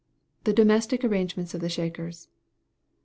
The domestic arrangements of the Shakers.